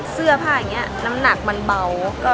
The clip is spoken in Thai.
เสื้อผ้าอย่างนี้น้ำหนักมันเบา